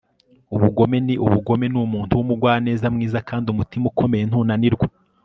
Ubugome ni ubugome numuntu wumugwaneza mwiza kandi umutima ukomeye ntunanirwa